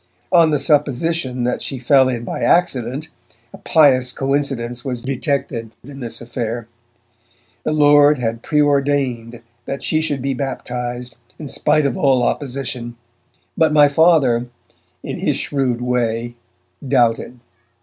On the supposition that she fell in by accident, a pious coincidence was detected in this affair; the Lord had pre ordained that she should be baptized in spite of all opposition. But my Father, in his shrewd way, doubted.